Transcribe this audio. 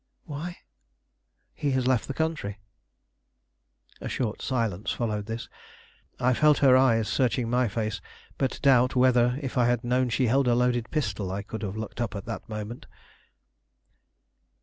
"Why?" "He has left the country." A short silence followed this, I felt her eyes searching my face, but doubt whether, if I had known she held a loaded pistol, I could have looked up at that moment.